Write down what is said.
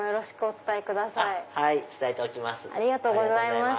伝えておきます。